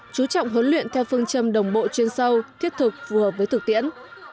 chú trọng huấn luyện theo phương châm đồng bộ chuyên sâu thiết thực phù hợp với thực tiễn